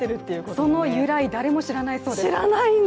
その由来、誰も知らないそうです。